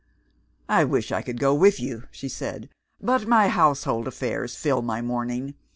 "I wish I could go with you," she said, "but my household affairs fill my morning.